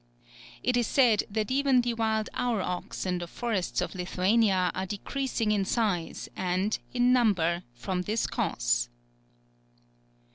It is said that even the wild aurochs in the forests of Lithuania are decreasing in size and, in number from this cause.